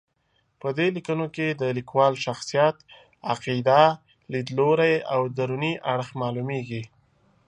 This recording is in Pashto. په دې لیکنو کې د لیکوال شخصیت، عقیده، لید لوری او دروني اړخ معلومېږي.